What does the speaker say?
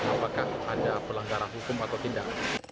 apakah ada pelanggaran hukum atau tidak